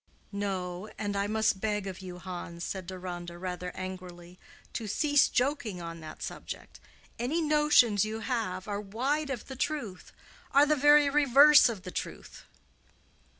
"No; and I must beg of you, Hans," said Deronda, rather angrily, "to cease joking on that subject. Any notions you have are wide of the truth—are the very reverse of the truth."